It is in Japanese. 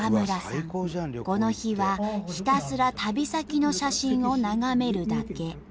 この日はひたすら旅先の写真を眺めるだけ。